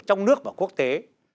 trong nước và quốc tế